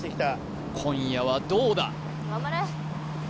今夜はどうだ？